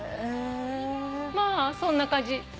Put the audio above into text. まあそんな感じ。